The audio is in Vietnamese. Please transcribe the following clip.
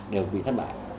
đều bị thất bại